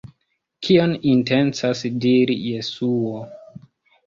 Kion intencas diri Jesuo?